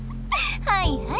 はいはい。